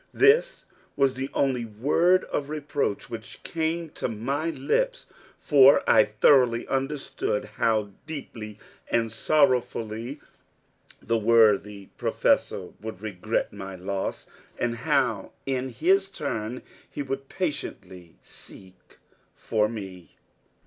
This was the only word of reproach which came to my lips; for I thoroughly understood how deeply and sorrowfully the worthy Professor would regret my loss, and how in his turn he would patiently seek for me.